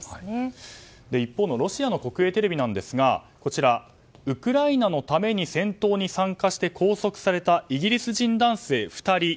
一方でロシアの国営テレビですがウクライナのために戦闘に参加して拘束されたイギリス人男性２人。